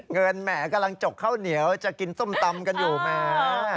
แหมกำลังจกข้าวเหนียวจะกินส้มตำกันอยู่แหม